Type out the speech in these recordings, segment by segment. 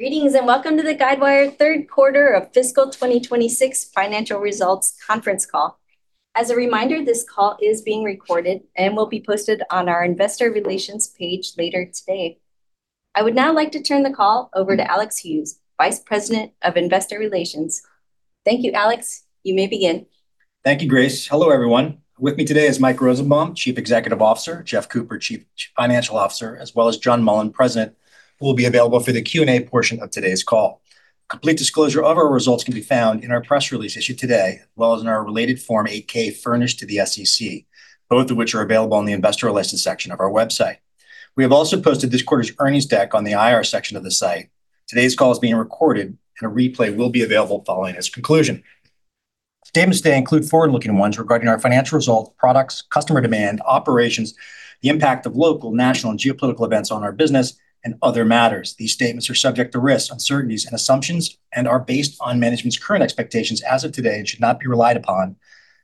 Greetings, welcome to the Guidewire third quarter of fiscal 2026 financial results conference call. As a reminder, this call is being recorded and will be posted on our investor relations page later today. I would now like to turn the call over to Alex Hughes, Vice President of Investor Relations. Thank you, Alex. You may begin. Thank you, Grace. Hello, everyone. With me today is Mike Rosenbaum, Chief Executive Officer, Jeff Cooper, Chief Financial Officer, as well as John Mullen, President, who will be available for the Q&A portion of today's call. Complete disclosure of our results can be found in our press release issued today, as well as in our related Form 8-K furnished to the SEC, both of which are available on the Investor Relations section of our website. We have also posted this quarter's earnings deck on the IR section of the site. Today's call is being recorded, and a replay will be available following its conclusion. Statements today include forward-looking ones regarding our financial results, products, customer demand, operations, the impact of local, national, and geopolitical events on our business, and other matters. These statements are subject to risks, uncertainties, and assumptions and are based on management's current expectations as of today and should not be relied upon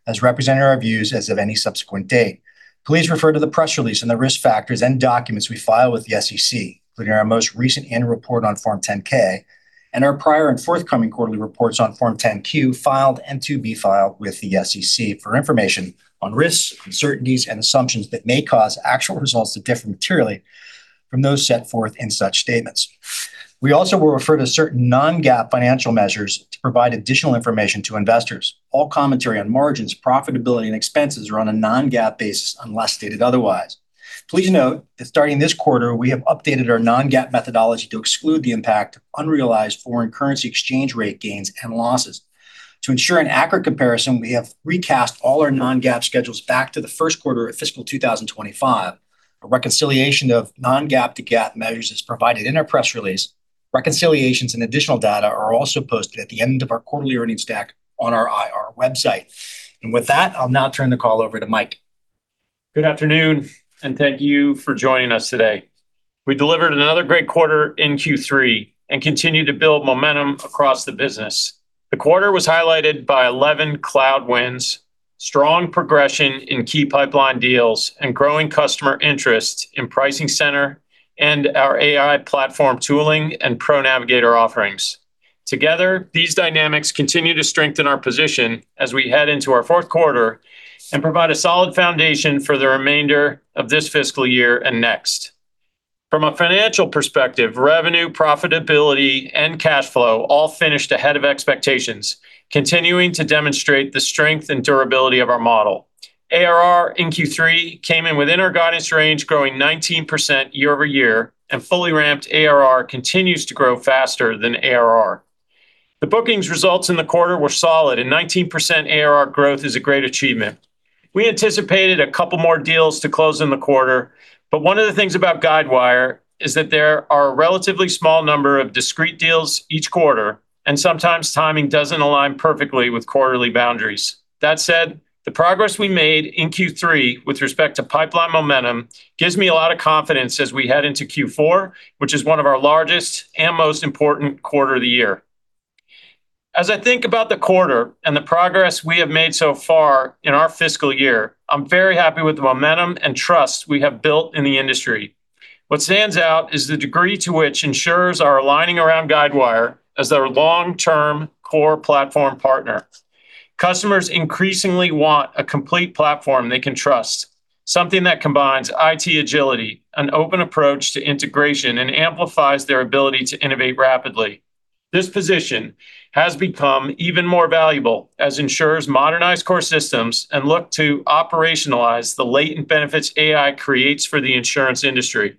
as representing our views as of any subsequent date. Please refer to the press release and the risk factors and documents we file with the SEC, including our most recent annual report on Form 10-K and our prior and forthcoming quarterly reports on Form 10-Q filed and to be filed with the SEC for information on risks, uncertainties, and assumptions that may cause actual results to differ materially from those set forth in such statements. We also will refer to certain non-GAAP financial measures to provide additional information to investors. All commentary on margins, profitability, and expenses are on a non-GAAP basis unless stated otherwise. Please note that starting this quarter, we have updated our non-GAAP methodology to exclude the impact of unrealized foreign currency exchange rate gains and losses. To ensure an accurate comparison, we have recast all our non-GAAP schedules back to the first quarter of fiscal 2025. A reconciliation of non-GAAP to GAAP measures is provided in our press release. Reconciliations and additional data are also posted at the end of our quarterly earnings deck on our IR website. With that, I'll now turn the call over to Mike. Good afternoon, and thank you for joining us today. We delivered another great quarter in Q3 and continue to build momentum across the business. The quarter was highlighted by 11 cloud wins, strong progression in key pipeline deals, and growing customer interest in PricingCenter and our AI platform tooling and ProNavigator offerings. Together, these dynamics continue to strengthen our position as we head into our fourth quarter and provide a solid foundation for the remainder of this fiscal year and next. From a financial perspective, revenue, profitability, and cash flow all finished ahead of expectations, continuing to demonstrate the strength and durability of our model. ARR in Q3 came in within our guidance range, growing 19% year-over-year, and fully ramped ARR continues to grow faster than ARR. The bookings results in the quarter were solid, 19% ARR growth is a great achievement. We anticipated a couple more deals to close in the quarter, but one of the things about Guidewire is that there are a relatively small number of discrete deals each quarter, and sometimes timing doesn't align perfectly with quarterly boundaries. That said, the progress we made in Q3 with respect to pipeline momentum gives me a lot of confidence as we head into Q4, which is one of our largest and most important quarter of the year. As I think about the quarter and the progress we have made so far in our fiscal year, I'm very happy with the momentum and trust we have built in the industry. What stands out is the degree to which insurers are aligning around Guidewire as their long-term core platform partner. Customers increasingly want a complete platform they can trust, something that combines IT agility, an open approach to integration, and amplifies their ability to innovate rapidly. This position has become even more valuable as insurers modernize core systems and look to operationalize the latent benefits AI creates for the insurance industry.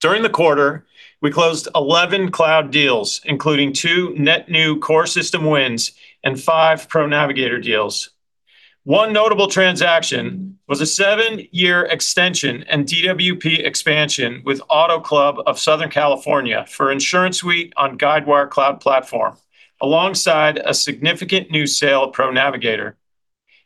During the quarter, we closed 11 cloud deals, including two net new core system wins and five ProNavigator deals. One notable transaction was a seven-year extension and DWP expansion with Auto Club of Southern California for InsuranceSuite on Guidewire Cloud Platform, alongside a significant new sale of ProNavigator.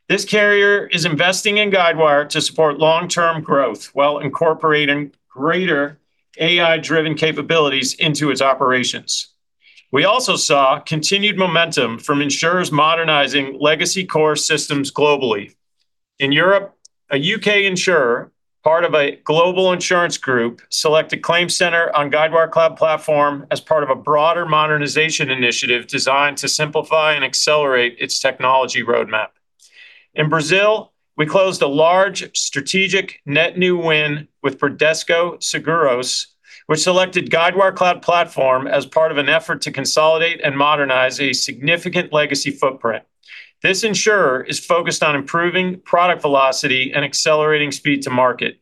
This carrier is investing in Guidewire to support long-term growth while incorporating greater AI-driven capabilities into its operations. We also saw continued momentum from insurers modernizing legacy core systems globally. In Europe, a U.K. insurer, part of a global insurance group, selected ClaimCenter on Guidewire Cloud Platform as part of a broader modernization initiative designed to simplify and accelerate its technology roadmap. In Brazil, we closed a large strategic net new win with Bradesco Seguros, which selected Guidewire Cloud Platform as part of an effort to consolidate and modernize a significant legacy footprint. This insurer is focused on improving product velocity and accelerating speed to market.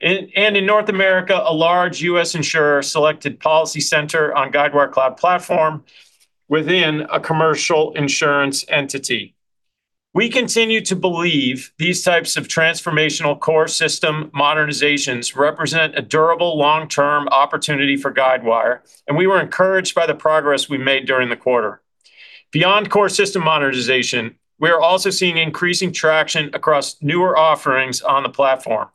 In North America, a large U.S. insurer selected PolicyCenter on Guidewire Cloud Platform within a commercial insurance entity. We continue to believe these types of transformational core system modernizations represent a durable long-term opportunity for Guidewire, and we were encouraged by the progress we made during the quarter. Beyond core system modernization, we are also seeing increasing traction across newer offerings on the platform.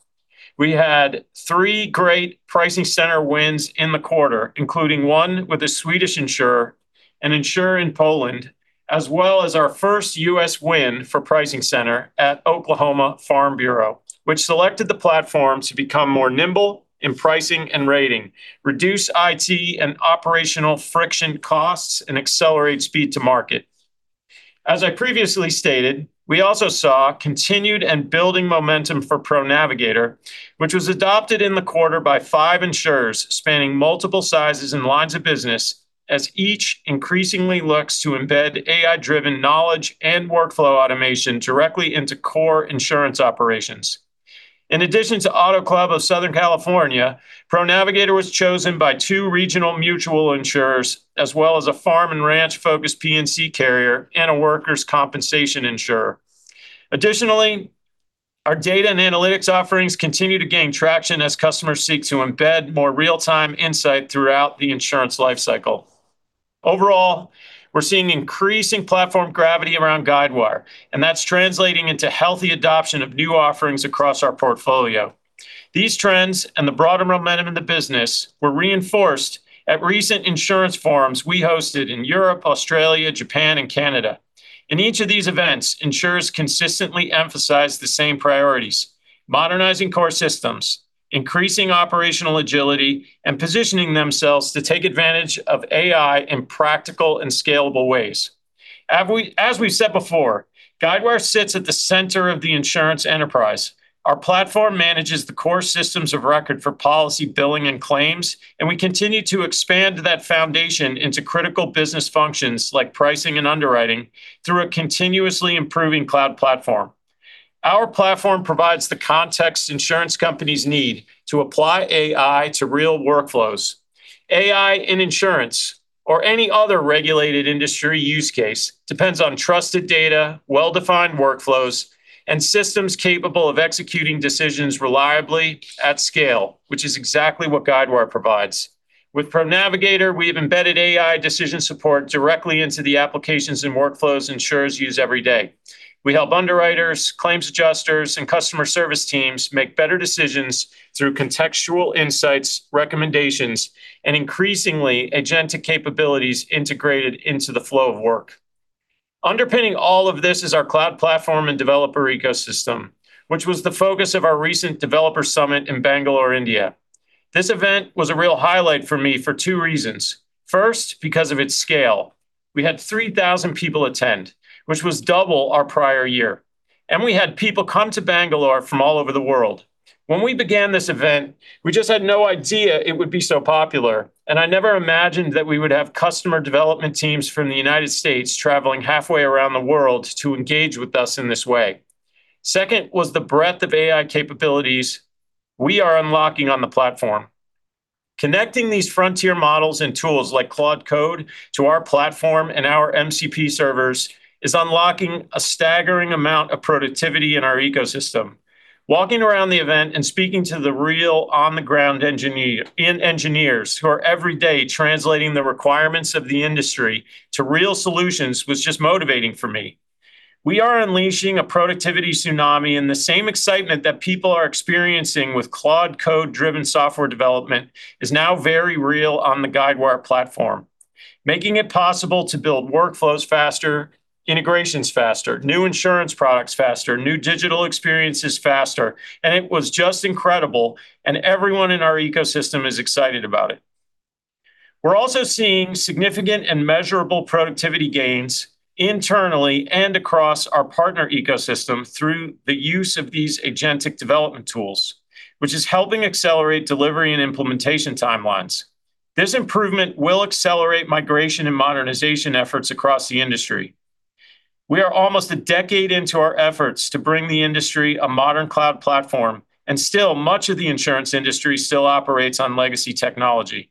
We had three great PricingCenter wins in the quarter, including one with a Swedish insurer, an insurer in Poland, as well as our first U.S. win for PricingCenter at Oklahoma Farm Bureau, which selected the platform to become more nimble in pricing and rating, reduce IT and operational friction costs, and accelerate speed to market. As I previously stated, we also saw continued and building momentum for ProNavigator, which was adopted in the quarter by five insurers spanning multiple sizes and lines of business, as each increasingly looks to embed AI-driven knowledge and workflow automation directly into core insurance operations. In addition to Automobile Club of Southern California, ProNavigator was chosen by two regional mutual insurers, as well as a farm and ranch-focused P&C carrier and a workers' compensation insurer. Additionally, our data and analytics offerings continue to gain traction as customers seek to embed more real-time insight throughout the insurance lifecycle. Overall, we're seeing increasing platform gravity around Guidewire, and that's translating into healthy adoption of new offerings across our portfolio. These trends and the broader momentum in the business were reinforced at recent insurance forums we hosted in Europe, Australia, Japan, and Canada. In each of these events, insurers consistently emphasized the same priorities: modernizing core systems, increasing operational agility, and positioning themselves to take advantage of AI in practical and scalable ways. As we've said before, Guidewire sits at the center of the insurance enterprise. Our platform manages the core systems of record for policy, billing, and claims, and we continue to expand that foundation into critical business functions like pricing and underwriting through a continuously improving cloud platform. Our platform provides the context insurance companies need to apply AI to real workflows. AI in insurance or any other regulated industry use case depends on trusted data, well-defined workflows, and systems capable of executing decisions reliably at scale, which is exactly what Guidewire provides. With ProNavigator, we have embedded AI decision support directly into the applications and workflows insurers use every day. We help underwriters, claims adjusters, and customer service teams make better decisions through contextual insights, recommendations, and increasingly agentic capabilities integrated into the flow of work. Underpinning all of this is our cloud platform and developer ecosystem, which was the focus of our recent developer summit in Bangalore, India. This event was a real highlight for me for two reasons. First, because of its scale. We had 3,000 people attend, which was double our prior year, and we had people come to Bangalore from all over the world. When we began this event, we just had no idea it would be so popular, and I never imagined that we would have customer development teams from the United States traveling halfway around the world to engage with us in this way. Second was the breadth of AI capabilities we are unlocking on the platform. Connecting these frontier models and tools like Claude Code to our platform and our MCP servers is unlocking a staggering amount of productivity in our ecosystem. Walking around the event and speaking to the real on-the-ground engineers who are every day translating the requirements of the industry to real solutions was just motivating for me. We are unleashing a productivity tsunami, and the same excitement that people are experiencing with Claude Code-driven software development is now very real on the Guidewire platform, making it possible to build workflows faster, integrations faster, new insurance products faster, new digital experiences faster, and it was just incredible, and everyone in our ecosystem is excited about it. We're also seeing significant and measurable productivity gains internally and across our partner ecosystem through the use of these agentic development tools, which is helping accelerate delivery and implementation timelines. This improvement will accelerate migration and modernization efforts across the industry. We are almost a decade into our efforts to bring the industry a modern cloud platform, and still, much of the insurance industry still operates on legacy technology.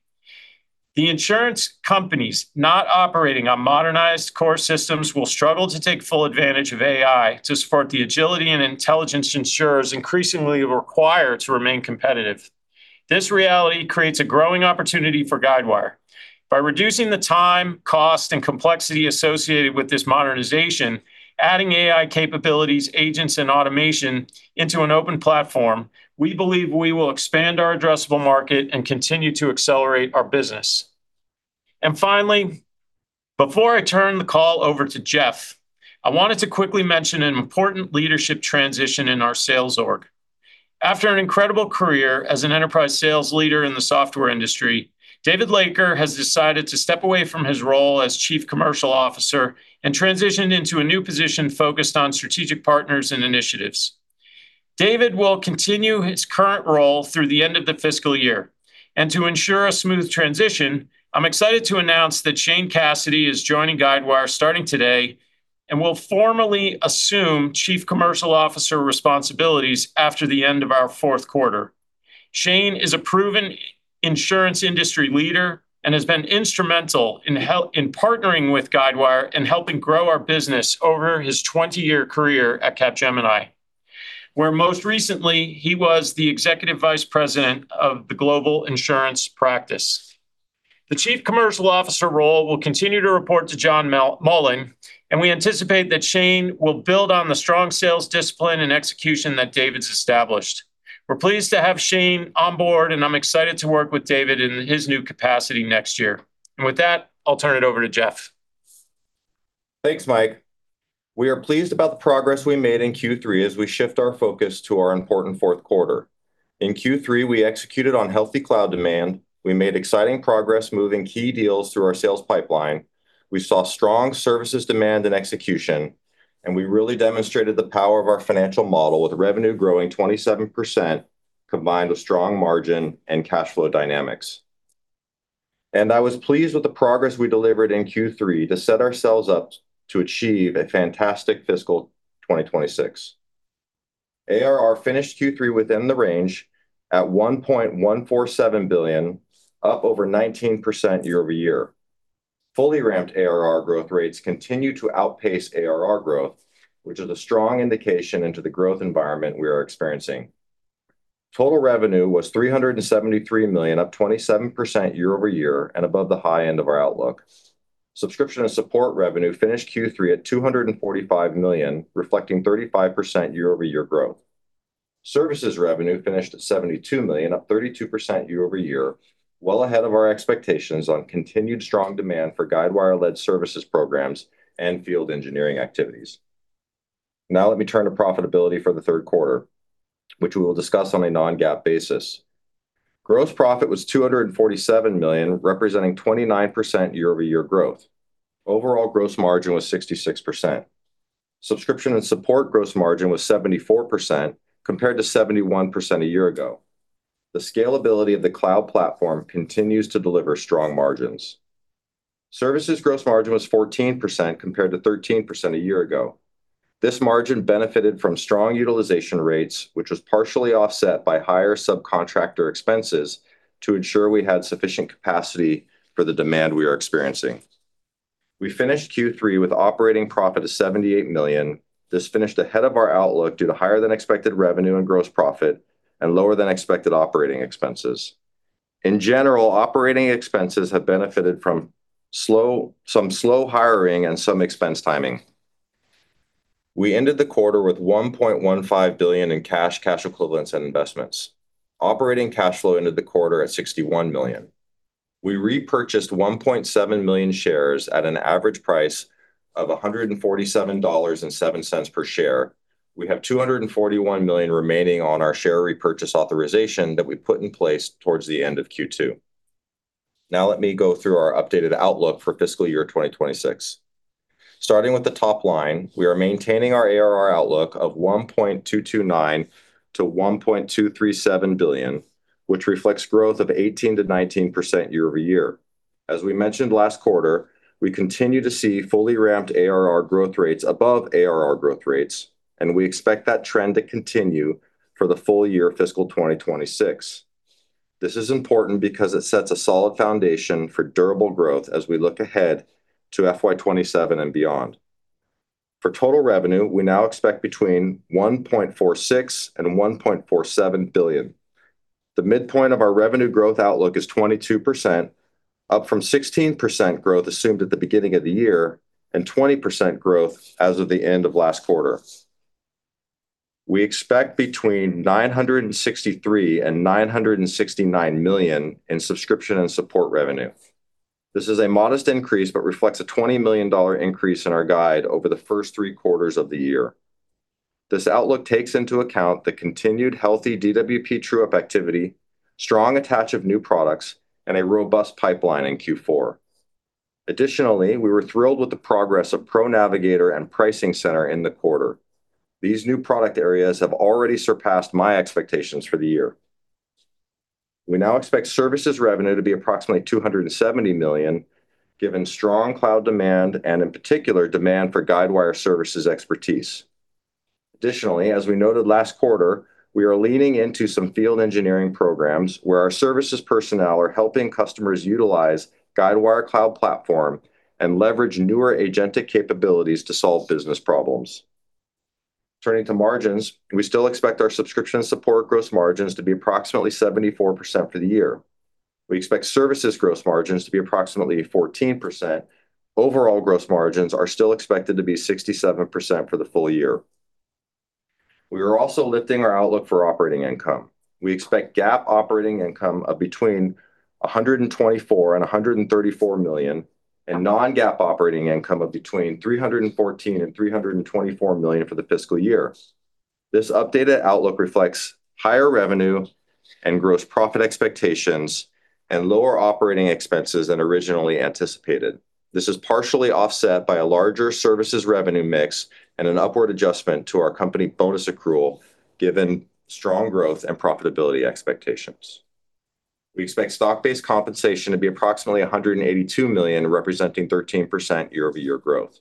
The insurance companies not operating on modernized core systems will struggle to take full advantage of AI to support the agility and intelligence insurers increasingly require to remain competitive. This reality creates a growing opportunity for Guidewire. By reducing the time, cost, and complexity associated with this modernization, adding AI capabilities, agents, and automation into an open platform, we believe we will expand our addressable market and continue to accelerate our business. Finally, before I turn the call over to Jeff, I wanted to quickly mention an important leadership transition in our sales org. After an incredible career as an enterprise sales leader in the software industry, David Laker has decided to step away from his role as Chief Commercial Officer and transition into a new position focused on strategic partners and initiatives. David will continue his current role through the end of the fiscal year. To ensure a smooth transition, I'm excited to announce that Shane Cassidy is joining Guidewire starting today and will formally assume Chief Commercial Officer responsibilities after the end of our fourth quarter. Shane is a proven insurance industry leader and has been instrumental in partnering with Guidewire and helping grow our business over his 20-year career at Capgemini, where most recently, he was the Executive Vice President of the Global Insurance Practice. The Chief Commercial Officer role will continue to report to John Mullen, and we anticipate that Shane will build on the strong sales discipline and execution that David's established. We're pleased to have Shane on board, and I'm excited to work with David in his new capacity next year. With that, I'll turn it over to Jeff. Thanks, Mike. We are pleased about the progress we made in Q3 as we shift our focus to our important fourth quarter. In Q3, we executed on healthy cloud demand, we made exciting progress moving key deals through our sales pipeline, we saw strong services demand and execution, we really demonstrated the power of our financial model, with revenue growing 27%, combined with strong margin and cash flow dynamics. I was pleased with the progress we delivered in Q3 to set ourselves up to achieve a fantastic fiscal 2026. ARR finished Q3 within the range at $1.147 billion, up over 19% year-over-year. Fully ramped ARR growth rates continue to outpace ARR growth, which is a strong indication into the growth environment we are experiencing. Total revenue was $373 million, up 27% year-over-year, above the high end of our outlook. Subscription and support revenue finished Q3 at $245 million, reflecting 35% year-over-year growth. Services revenue finished at $72 million, up 32% year-over-year, well ahead of our expectations on continued strong demand for Guidewire-led services programs and field engineering activities. Now let me turn to profitability for the third quarter, which we will discuss on a non-GAAP basis. Gross profit was $247 million, representing 29% year-over-year growth. Overall gross margin was 66%. Subscription and support gross margin was 74%, compared to 71% a year ago. The scalability of the cloud platform continues to deliver strong margins. Services gross margin was 14%, compared to 13% a year ago. This margin benefited from strong utilization rates, which was partially offset by higher subcontractor expenses to ensure we had sufficient capacity for the demand we are experiencing. We finished Q3 with operating profit of $78 million. This finished ahead of our outlook due to higher than expected revenue and gross profit and lower than expected operating expenses. In general, operating expenses have benefited from some slow hiring and some expense timing. We ended the quarter with $1.15 billion in cash equivalents, and investments. Operating cash flow ended the quarter at $61 million. We repurchased 1.7 million shares at an average price of $147.07 per share. We have $241 million remaining on our share repurchase authorization that we put in place towards the end of Q2. Now let me go through our updated outlook for fiscal year 2026. Starting with the top line, we are maintaining our ARR outlook of $1.229 billion-$1.237 billion, which reflects growth of 18%-19% year-over-year. As we mentioned last quarter, we continue to see fully ramped ARR growth rates above ARR growth rates, and we expect that trend to continue for the full year fiscal 2026. This is important because it sets a solid foundation for durable growth as we look ahead to FY '27 and beyond. For total revenue, we now expect between $1.46 billion and $1.47 billion. The midpoint of our revenue growth outlook is 22%, up from 16% growth assumed at the beginning of the year, and 20% growth as of the end of last quarter. We expect between $963 million and $969 million in subscription and support revenue. This is a modest increase but reflects a $20 million increase in our guide over the first three quarters of the year. This outlook takes into account the continued healthy DWP true-up activity, strong attach of new products, and a robust pipeline in Q4. Additionally, we were thrilled with the progress of ProNavigator and PricingCenter in the quarter. These new product areas have already surpassed my expectations for the year. We now expect services revenue to be approximately $270 million, given strong cloud demand, and in particular, demand for Guidewire services expertise. Additionally, as we noted last quarter, we are leaning into some field engineering programs where our services personnel are helping customers utilize Guidewire Cloud Platform and leverage newer agentic capabilities to solve business problems. Turning to margins, we still expect our subscription and support gross margins to be approximately 74% for the year. We expect services gross margins to be approximately 14%. Overall gross margins are still expected to be 67% for the full year. We are also lifting our outlook for operating income. We expect GAAP operating income of between $124 and $134 million, and non-GAAP operating income of between $314 and $324 million for the fiscal year. This updated outlook reflects higher revenue and gross profit expectations and lower operating expenses than originally anticipated. This is partially offset by a larger services revenue mix and an upward adjustment to our company bonus accrual, given strong growth and profitability expectations. We expect stock-based compensation to be approximately $182 million, representing 13% year-over-year growth.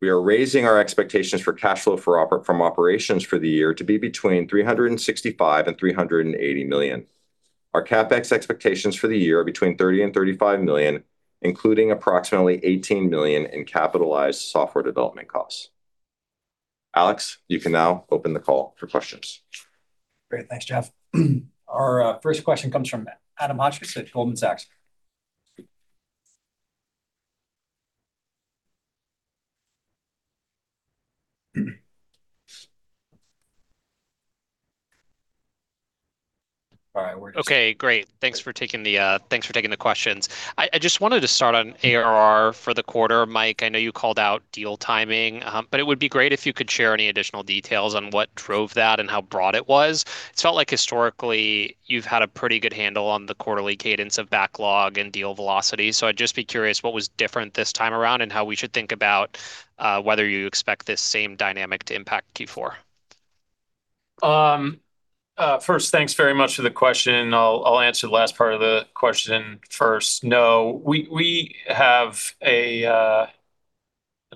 We are raising our expectations for cash flow from operations for the year to be between $365 and $380 million. Our CapEx expectations for the year are between $30 and $35 million, including approximately $18 million in capitalized software development costs. Alex, you can now open the call for questions. Great. Thanks, Jeff. Our first question comes from Adam Hotchkiss at Goldman Sachs. Okay, great. Thanks for taking the questions. I just wanted to start on ARR for the quarter. Mike, I know you called out deal timing, but it would be great if you could share any additional details on what drove that and how broad it was. It felt like historically you've had a pretty good handle on the quarterly cadence of backlog and deal velocity. I'd just be curious what was different this time around and how we should think about whether you expect this same dynamic to impact Q4. Thanks very much for the question. I'll answer the last part of the question first. We have a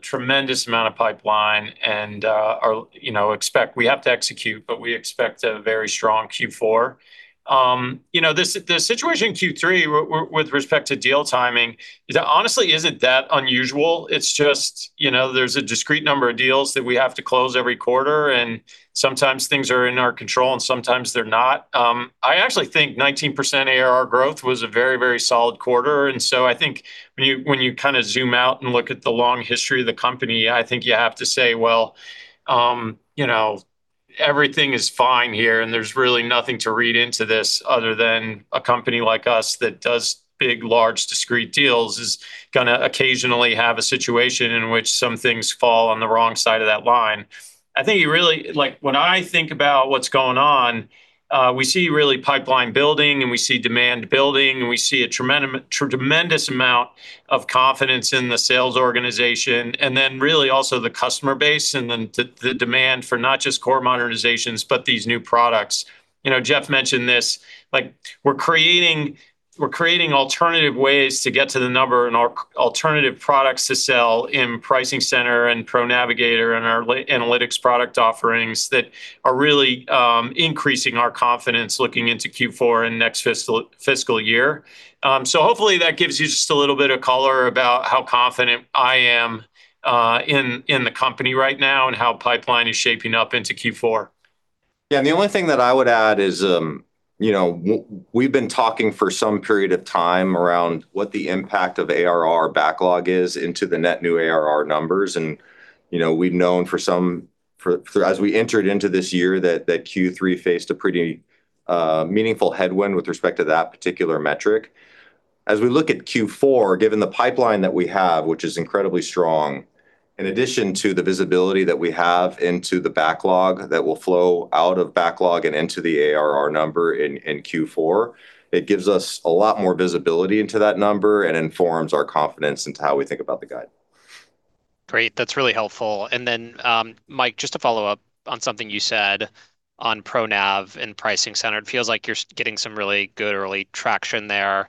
tremendous amount of pipeline and we have to execute, but we expect a very strong Q4. The situation in Q3 with respect to deal timing honestly isn't that unusual. It's just there's a discrete number of deals that we have to close every quarter, and sometimes things are in our control and sometimes they're not. I actually think 19% ARR growth was a very solid quarter. I think when you zoom out and look at the long history of the company, I think you have to say, "Well, everything is fine here, and there's really nothing to read into this other than a company like us that does big, large, discrete deals is going to occasionally have a situation in which some things fall on the wrong side of that line." When I think about what's going on, we see pipeline building and we see demand building, and we see a tremendous amount of confidence in the sales organization, and then really also the customer base, and then the demand for not just core modernizations, but these new products. Jeff mentioned this, we're creating alternative ways to get to the number and alternative products to sell in PricingCenter and ProNavigator and our analytics product offerings that are really increasing our confidence looking into Q4 and next fiscal year. Hopefully that gives you just a little bit of color about how confident I am in the company right now and how pipeline is shaping up into Q4. The only thing that I would add is we've been talking for some period of time around what the impact of ARR backlog is into the net new ARR numbers, and we've known as we entered into this year that Q3 faced a pretty meaningful headwind with respect to that particular metric. As we look at Q4, given the pipeline that we have, which is incredibly strong, in addition to the visibility that we have into the backlog that will flow out of backlog and into the ARR number in Q4, it gives us a lot more visibility into that number and informs our confidence into how we think about the guide. Great. That's really helpful. Then, Mike, just to follow up on something you said on ProNav and PricingCenter, it feels like you're getting some really good early traction there.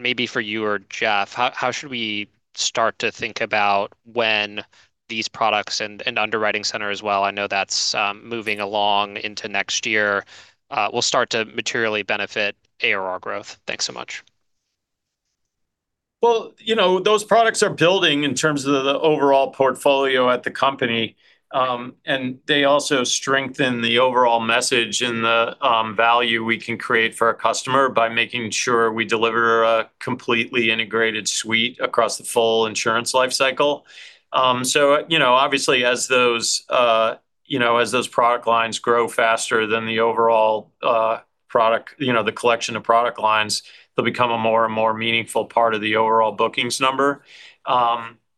Maybe for you or Jeff, how should we start to think about when these products and UnderwritingCenter as well, I know that's moving along into next year, will start to materially benefit ARR growth? Thanks so much. Well, those products are building in terms of the overall portfolio at the company. They also strengthen the overall message and the value we can create for our customer by making sure we deliver a completely integrated suite across the full insurance lifecycle. Obviously as those product lines grow faster than the overall collection of product lines, they'll become a more and more meaningful part of the overall bookings number.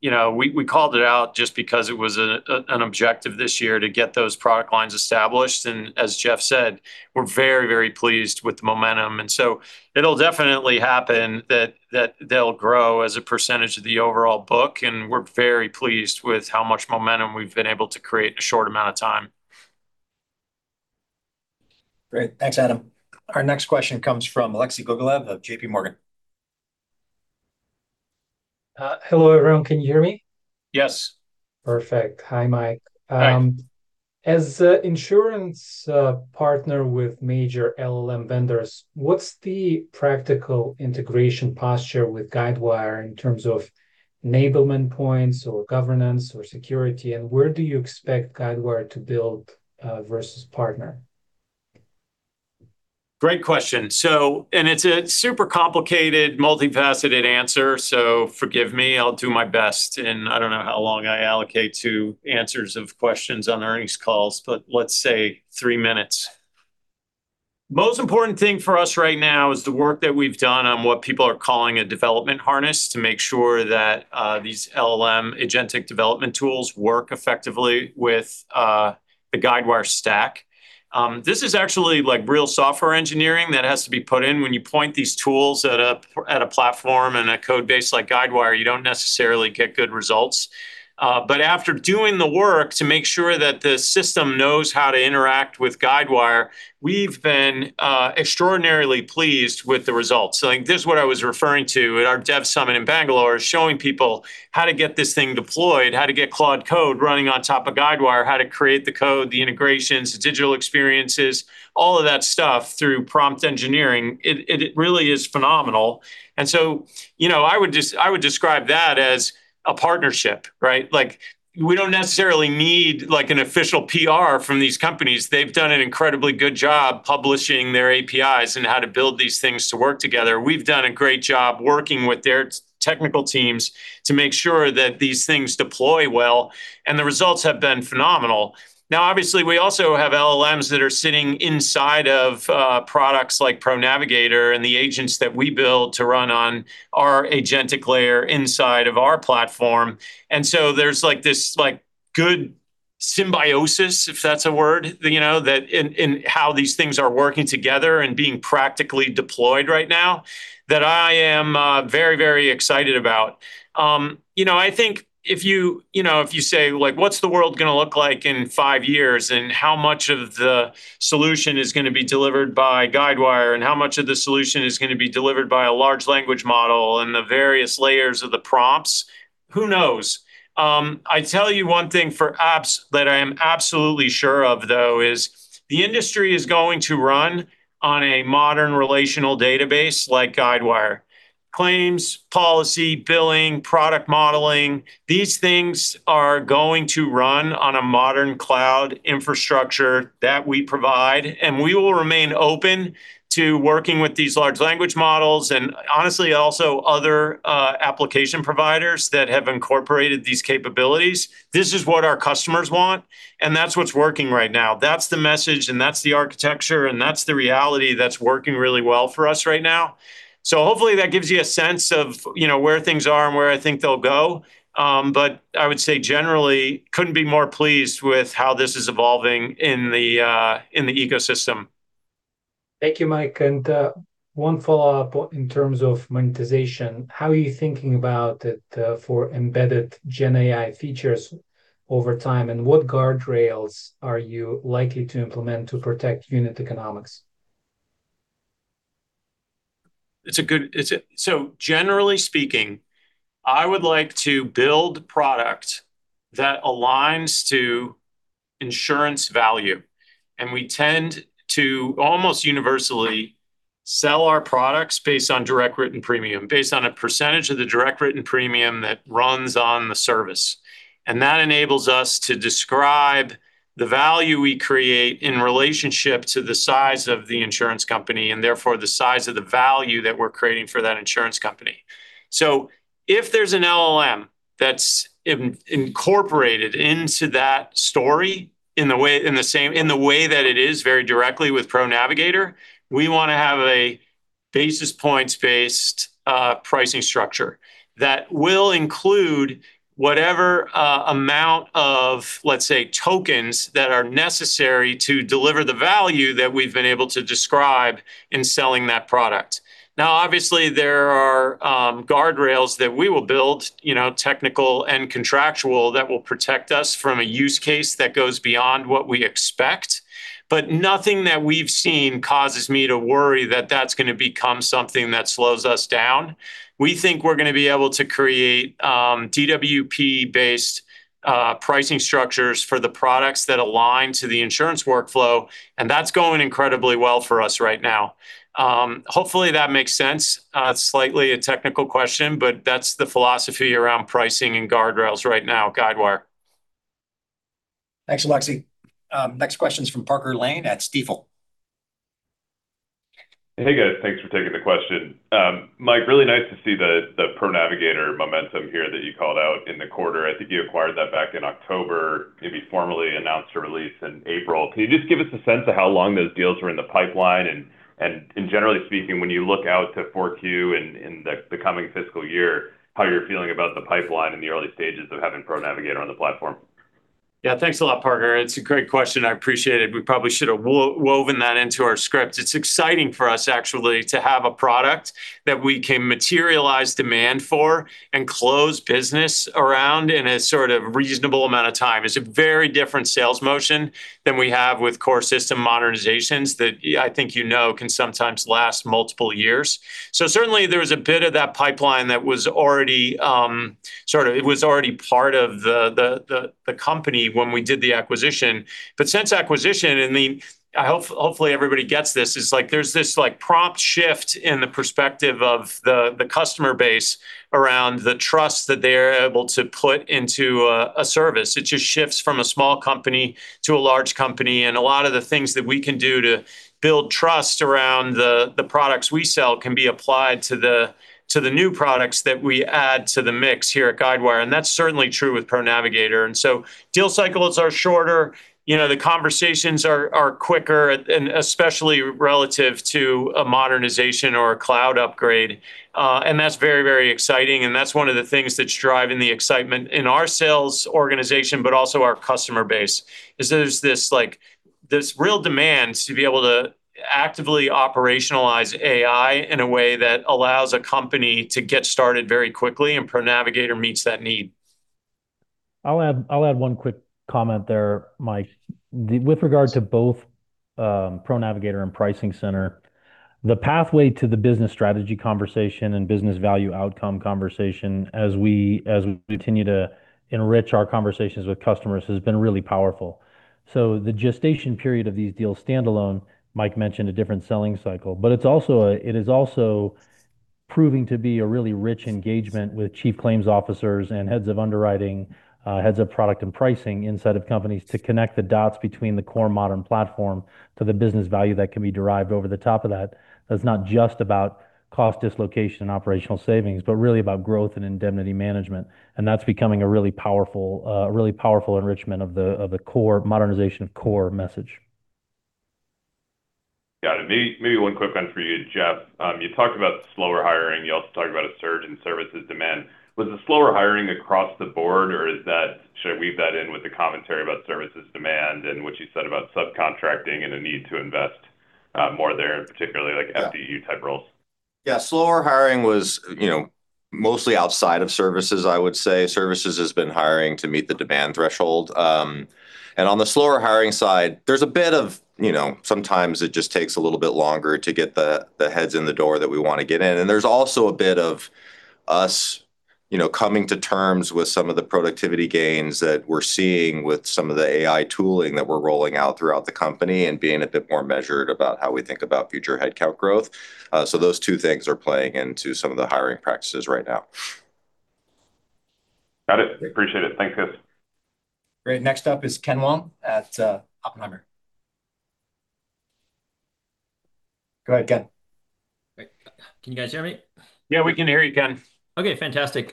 We called it out just because it was an objective this year to get those product lines established. As Jeff said, we're very pleased with the momentum. It'll definitely happen that they'll grow as a percentage of the overall book, and we're very pleased with how much momentum we've been able to create in a short amount of time. Great. Thanks, Adam. Our next question comes from Alexei Gogolev of JPMorgan. Hello, everyone. Can you hear me? Yes. Perfect. Hi, Mike. Hi. As a insurance partner with major LLM vendors, what's the practical integration posture with Guidewire in terms of enablement points or governance or security, and where do you expect Guidewire to build versus partner? Great question. It's a super complicated, multifaceted answer, so forgive me, I'll do my best in I don't know how long I allocate to answers of questions on earnings calls, but let's say three minutes. Most important thing for us right now is the work that we've done on what people are calling a development harness to make sure that these LLM agentic development tools work effectively with the Guidewire stack. This is actually real software engineering that has to be put in. When you point these tools at a platform and a code base like Guidewire, you don't necessarily get good results. After doing the work to make sure that the system knows how to interact with Guidewire, we've been extraordinarily pleased with the results. This is what I was referring to at our Dev Summit in Bangalore, showing people how to get this thing deployed, how to get Claude Code running on top of Guidewire, how to create the code, the integrations, the digital experiences, all of that stuff through prompt engineering. It really is phenomenal. I would describe that as a partnership, right? We don't necessarily need an official PR from these companies. They've done an incredibly good job publishing their APIs and how to build these things to work together. We've done a great job working with their technical teams to make sure that these things deploy well, and the results have been phenomenal. Obviously, we also have LLMs that are sitting inside of products like ProNavigator and the agents that we build to run on our agentic layer inside of our platform. There's this good-symbiosis, if that's a word, in how these things are working together and being practically deployed right now that I am very excited about. I think if you say, "What's the world going to look like in five years, and how much of the solution is going to be delivered by Guidewire, and how much of the solution is going to be delivered by a large language model and the various layers of the prompts?" Who knows? I tell you one thing for apps that I am absolutely sure of, though, is the industry is going to run on a modern relational database like Guidewire. Claims, policy, billing, product modeling, these things are going to run on a modern cloud infrastructure that we provide, and we will remain open to working with these large language models and honestly, also other application providers that have incorporated these capabilities. This is what our customers want, and that's what's working right now. That's the message, and that's the architecture, and that's the reality that's working really well for us right now. Hopefully that gives you a sense of where things are and where I think they'll go. I would say generally, couldn't be more pleased with how this is evolving in the ecosystem. Thank you, Mike. One follow-up in terms of monetization. How are you thinking about it for embedded gen AI features over time, and what guardrails are you likely to implement to protect unit economics? Generally speaking, I would like to build product that aligns to insurance value, and we tend to almost universally sell our products based on direct written premium, based on a % of the direct written premium that runs on the service. That enables us to describe the value we create in relationship to the size of the insurance company, and therefore the size of the value that we're creating for that insurance company. If there's an LLM that's incorporated into that story in the way that it is very directly with ProNavigator, we want to have a basis points-based pricing structure that will include whatever amount of, let's say, tokens that are necessary to deliver the value that we've been able to describe in selling that product. Obviously, there are guardrails that we will build, technical and contractual, that will protect us from a use case that goes beyond what we expect. Nothing that we've seen causes me to worry that that's going to become something that slows us down. We think we're going to be able to create DWP-based pricing structures for the products that align to the insurance workflow, and that's going incredibly well for us right now. Hopefully, that makes sense. Slightly a technical question, but that's the philosophy around pricing and guardrails right now at Guidewire. Thanks, Alexei. Next question is from Parker Lane at Stifel. Hey, guys. Thanks for taking the question. Mike, really nice to see the ProNavigator momentum here that you called out in the quarter. I think you acquired that back in October. Maybe formally announced a release in April. Can you just give us a sense of how long those deals were in the pipeline? Generally speaking, when you look out to 4Q and the coming fiscal year, how you're feeling about the pipeline in the early stages of having ProNavigator on the platform? Yeah. Thanks a lot, Parker. It's a great question. I appreciate it. We probably should have woven that into our script. It's exciting for us actually, to have a product that we can materialize demand for and close business around in a reasonable amount of time. It's a very different sales motion than we have with core system modernizations that I think you know can sometimes last multiple years. Certainly there was a bit of that pipeline that was already part of the company when we did the acquisition. Since acquisition, and hopefully everybody gets this, is there's this prompt shift in the perspective of the customer base around the trust that they're able to put into a service. It just shifts from a small company to a large company, and a lot of the things that we can do to build trust around the products we sell can be applied to the new products that we add to the mix here at Guidewire, and that's certainly true with ProNavigator. Deal cycles are shorter. The conversations are quicker, and especially relative to a modernization or a cloud upgrade. That's very exciting, and that's one of the things that's driving the excitement in our sales organization, but also our customer base, is there's this real demand to be able to actively operationalize AI in a way that allows a company to get started very quickly, and ProNavigator meets that need. I'll add one quick comment there, Mike. With regard to both ProNavigator and PricingCenter, the pathway to the business strategy conversation and business value outcome conversation as we continue to enrich our conversations with customers has been really powerful. The gestation period of these deals standalone, Mike mentioned a different selling cycle. It is also proving to be a really rich engagement with chief claims officers and heads of underwriting, heads of product and pricing inside of companies to connect the dots between the core modern platform to the business value that can be derived over the top of that. That's not just about cost dislocation and operational savings, but really about growth and indemnity management, and that's becoming a really powerful enrichment of the modernization of core message. Got it. Maybe one quick one for you, Jeff. You talked about slower hiring. You also talked about a surge in services demand. Was the slower hiring across the board, or should I weave that in with the commentary about services demand and what you said about subcontracting and a need to invest more there, and particularly like FTE-type roles? Slower hiring was mostly outside of services, I would say. Services has been hiring to meet the demand threshold. On the slower hiring side, there's a bit of sometimes it just takes a little bit longer to get the heads in the door that we want to get in. There's also a bit of us coming to terms with some of the productivity gains that we're seeing with some of the AI tooling that we're rolling out throughout the company and being a bit more measured about how we think about future headcount growth. Those two things are playing into some of the hiring practices right now. Got it. Appreciate it. Thanks, guys. Great. Next up is Ken Wong at Oppenheimer. Go ahead, Ken. Great. Can you guys hear me? Yeah, we can hear you, Ken. Okay, fantastic.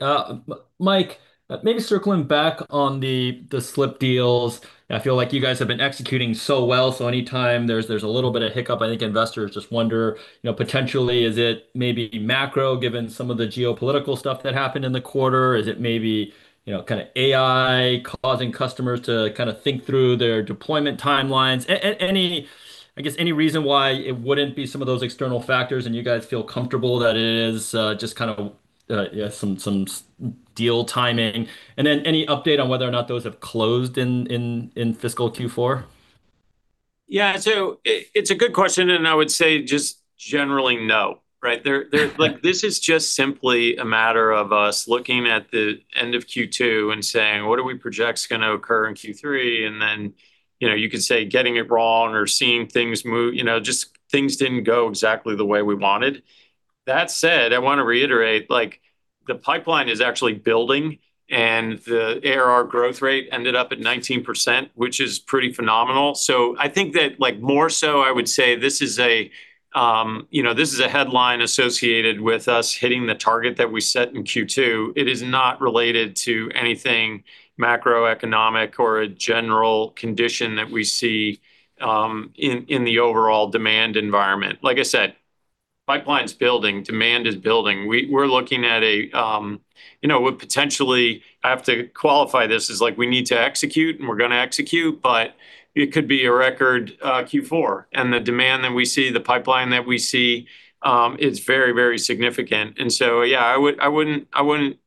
Mike, maybe circling back on the slip deals. I feel like you guys have been executing so well, so anytime there's a little bit of hiccup, I think investors just wonder, potentially, is it maybe macro, given some of the geopolitical stuff that happened in the quarter? Is it maybe AI causing customers to think through their deployment timelines? I guess any reason why it wouldn't be some of those external factors and you guys feel comfortable that it is just some deal timing. Then any update on whether or not those have closed in fiscal Q4? Yeah. It's a good question, and I would say just generally, no. Right. This is just simply a matter of us looking at the end of Q2 and saying, what do we project is going to occur in Q3? You could say, getting it wrong or seeing things move, just things didn't go exactly the way we wanted. That said, I want to reiterate the pipeline is actually building, and the ARR growth rate ended up at 19%, which is pretty phenomenal. I think that more so, I would say, this is a headline associated with us hitting the target that we set in Q2. It is not related to anything macroeconomic or a general condition that we see in the overall demand environment. Like I said, pipeline's building, demand is building. We're looking at potentially, I have to qualify this as we need to execute, and we're going to execute, but it could be a record Q4. The demand that we see, the pipeline that we see, is very, very significant. Yeah, I wouldn't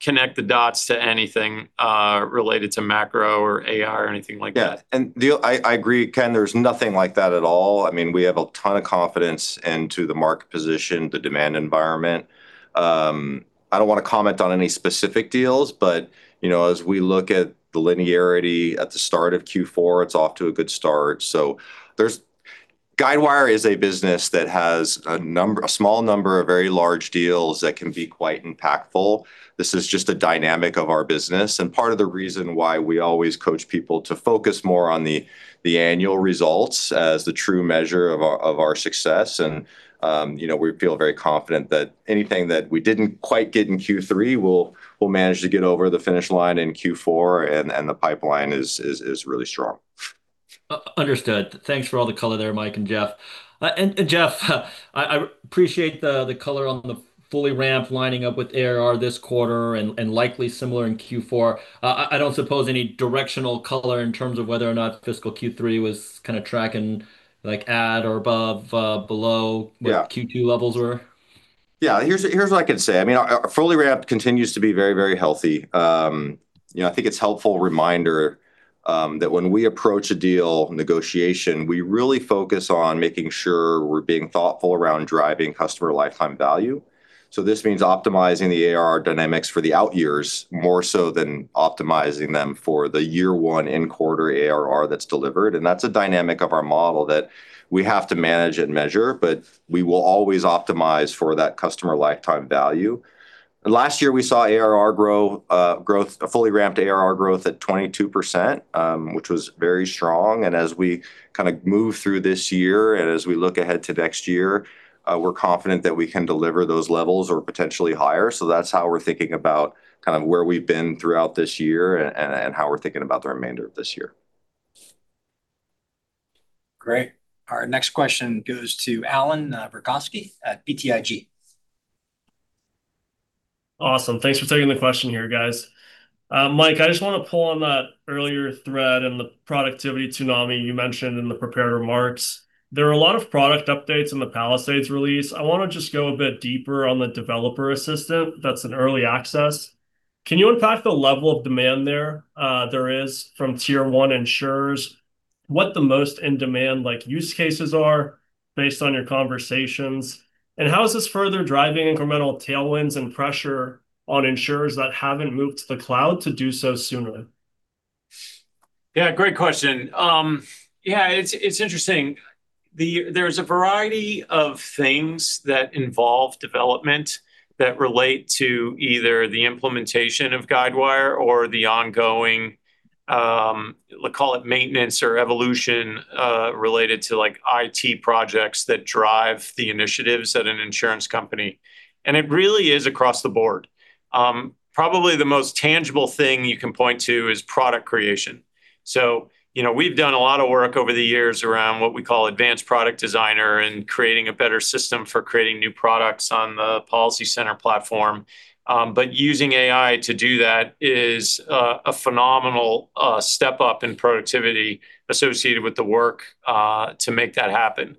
connect the dots to anything related to macro or AI or anything like that. I agree, Ken, there's nothing like that at all. We have a ton of confidence into the market position, the demand environment. As we look at the linearity at the start of Q4, it's off to a good start. Guidewire is a business that has a small number of very large deals that can be quite impactful. This is just a dynamic of our business and part of the reason why we always coach people to focus more on the annual results as the true measure of our success. We feel very confident that anything that we didn't quite get in Q3, we'll manage to get over the finish line in Q4, and the pipeline is really strong. Understood. Thanks for all the color there, Mike and Jeff. Jeff, I appreciate the color on the fully ramp lining up with ARR this quarter and likely similar in Q4. I don't suppose any directional color in terms of whether or not fiscal Q3 was tracking at or above, below. Yeah What Q2 levels were? Yeah. Here's what I can say. Our fully ramp continues to be very, very healthy. I think it's helpful reminder that when we approach a deal negotiation, we really focus on making sure we're being thoughtful around driving customer lifetime value. This means optimizing the ARR dynamics for the out years more so than optimizing them for the year one in quarter ARR that's delivered, and that's a dynamic of our model that we have to manage and measure, but we will always optimize for that customer lifetime value. Last year we saw fully ramped ARR growth at 22%, which was very strong. As we move through this year and as we look ahead to next year, we're confident that we can deliver those levels or potentially higher. That's how we're thinking about where we've been throughout this year and how we're thinking about the remainder of this year. Great. Our next question goes to Allan Verkhovski at BTIG. Awesome. Thanks for taking the question here, guys. Mike, I just want to pull on that earlier thread and the productivity tsunami you mentioned in the prepared remarks. There are a lot of product updates in the Palisades release. I want to just go a bit deeper on the developer assistant that's in early access. Can you unpack the level of demand there is from Tier 1 insurers? What the most in-demand use cases are based on your conversations, and how is this further driving incremental tailwinds and pressure on insurers that haven't moved to the cloud to do so sooner? Yeah, great question. Yeah, it's interesting. You know, there's a variety of things that involve development that relate to either the implementation of Guidewire or the ongoing, let's call it maintenance or evolution, related to IT projects that drive the initiatives at an insurance company. It really is across the board. Probably the most tangible thing you can point to is product creation. We've done a lot of work over the years around what we call Advanced Product Designer and creating a better system for creating new products on the PolicyCenter platform. Using AI to do that is a phenomenal step up in productivity associated with the work to make that happen.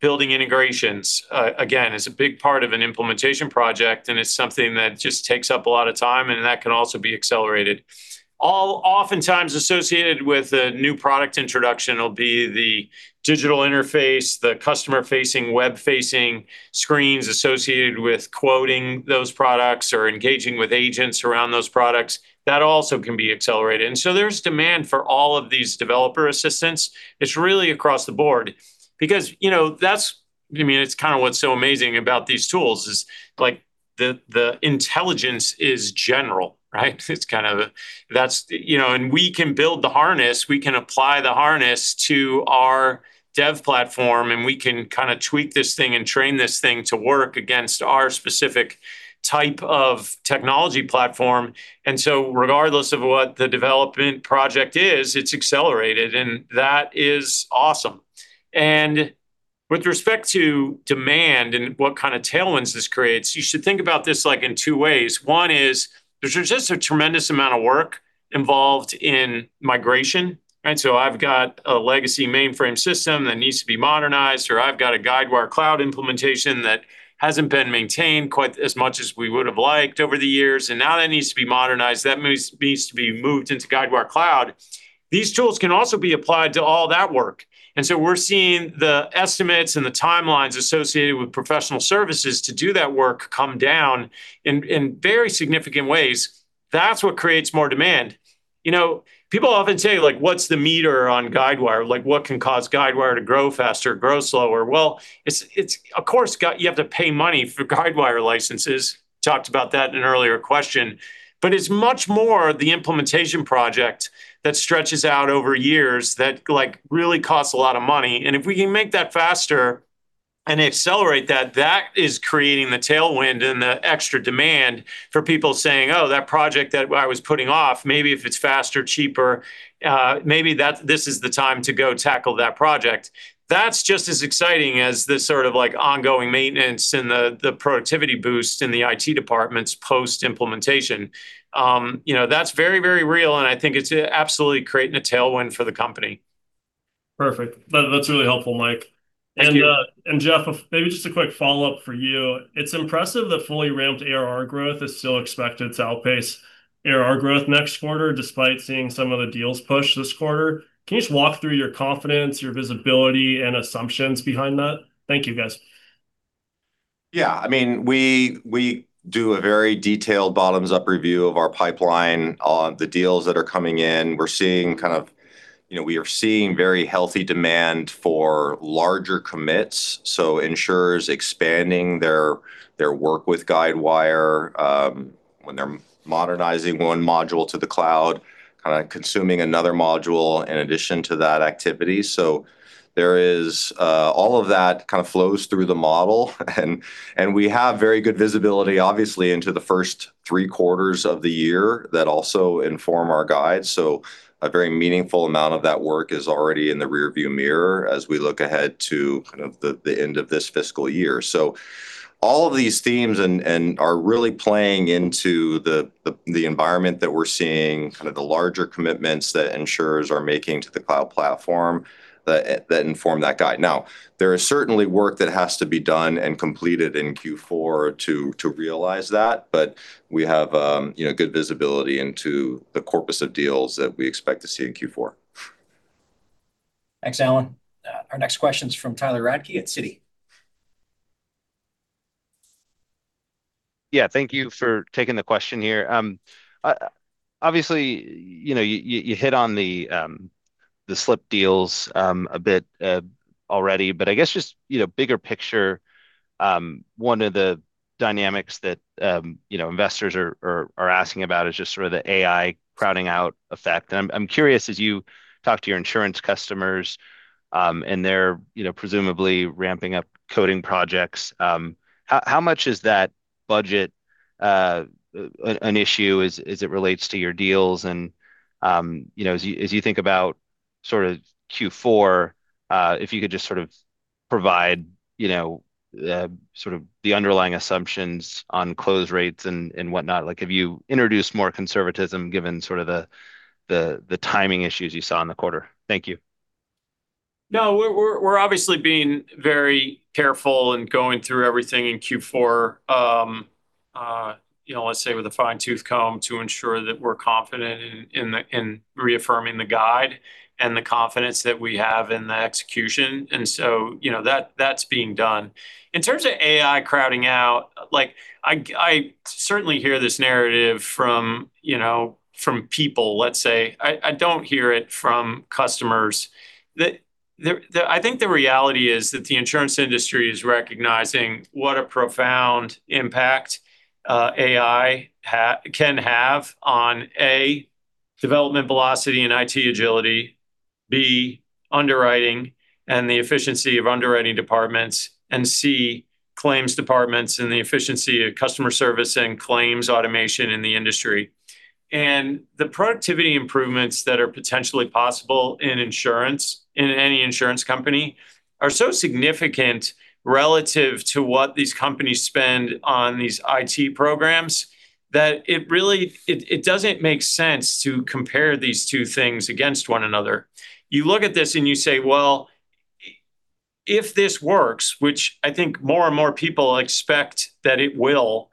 Building integrations, again, is a big part of an implementation project, and it's something that just takes up a lot of time, and that can also be accelerated. Oftentimes associated with a new product introduction will be the digital interface, the customer-facing, web-facing screens associated with quoting those products or engaging with agents around those products. That also can be accelerated. There's demand for all of these developer assistants. It's really across the board because what's so amazing about these tools is the intelligence is general, right? We can build the harness, we can apply the harness to our dev platform, and we can tweak this thing and train this thing to work against our specific type of technology platform. Regardless of what the development project is, it's accelerated, and that is awesome. With respect to demand and what tailwinds this creates, you should think about this in two ways. One is there's just a tremendous amount of work involved in migration, right? I've got a legacy mainframe system that needs to be modernized, or I've got a Guidewire Cloud implementation that hasn't been maintained quite as much as we would've liked over the years, and now that needs to be modernized. That needs to be moved into Guidewire Cloud. These tools can also be applied to all that work. We're seeing the estimates and the timelines associated with professional services to do that work come down in very significant ways. That's what creates more demand. People often say, "What's the meter on Guidewire? What can cause Guidewire to grow faster, grow slower?" Of course, you have to pay money for Guidewire licenses. We talked about that in an earlier question. It's much more the implementation project that stretches out over years that really costs a lot of money. If we can make that faster and accelerate that is creating the tailwind and the extra demand for people saying, "Oh, that project that I was putting off, maybe if it's faster, cheaper, maybe this is the time to go tackle that project." That's just as exciting as this sort of ongoing maintenance and the productivity boost in the IT departments post-implementation. That's very, very real, and I think it's absolutely creating a tailwind for the company. Perfect. That's really helpful, Mike. Thank you. Jeff, maybe just a quick follow-up for you. It's impressive the fully ramped ARR growth is still expected to outpace ARR growth next quarter, despite seeing some of the deals push this quarter. Can you just walk through your confidence, your visibility, and assumptions behind that? Thank you, guys. Yeah, we do a very detailed bottoms-up review of our pipeline on the deals that are coming in. We are seeing very healthy demand for larger commits, insurers expanding their work with Guidewire, when they're modernizing one module to the cloud, kind of consuming another module in addition to that activity. All of that kind of flows through the model. We have very good visibility, obviously, into the first three quarters of the year that also inform our guides. A very meaningful amount of that work is already in the rear-view mirror as we look ahead to kind of the end of this fiscal year. All of these themes are really playing into the environment that we're seeing, kind of the larger commitments that insurers are making to the cloud platform that inform that guide. There is certainly work that has to be done and completed in Q4 to realize that, but we have good visibility into the corpus of deals that we expect to see in Q4. Thanks, Allan. Our next question's from Tyler Radke at Citi. Yeah, thank you for taking the question here. Obviously, you hit on the slip deals a bit already, but I guess just bigger picture, one of the dynamics that investors are asking about is just sort of the AI crowding out effect. I'm curious, as you talk to your insurance customers, and they're presumably ramping up coding projects, how much is that budget an issue as it relates to your deals and, as you think about sort of Q4, if you could just sort of provide the underlying assumptions on close rates and whatnot. Have you introduced more conservatism given sort of the timing issues you saw in the quarter? Thank you. No, we're obviously being very careful and going through everything in Q4, let's say with a fine-tooth comb, to ensure that we're confident in reaffirming the guide and the confidence that we have in the execution. That's being done. In terms of AI crowding out, I certainly hear this narrative from people, let's say. I don't hear it from customers. I think the reality is that the insurance industry is recognizing what a profound impact AI can have on, A, development velocity and IT agility, B, underwriting and the efficiency of underwriting departments, and C, claims departments and the efficiency of customer service and claims automation in the industry. The productivity improvements that are potentially possible in insurance, in any insurance company, are so significant relative to what these companies spend on these IT programs, that it doesn't make sense to compare these two things against one another. You look at this and you say, "Well, if this works," which I think more and more people expect that it will,